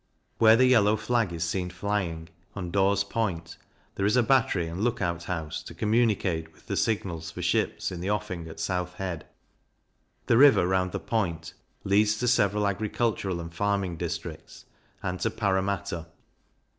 Where the yellow flag is seen flying, on Dawes's Point, there is a Battery, and Lookout house, to communicate with the signals for ships in the offing at South Head. The River round the point leads to several agricultural and farming districts, and to Parramatta.